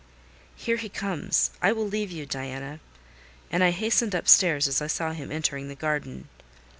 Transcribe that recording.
Here he comes! I will leave you, Diana." And I hastened upstairs as I saw him entering the garden.